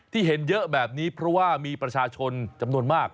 ที่เห็นเยอะแบบนี้เพราะว่ามีประชาชนจำนวนมาก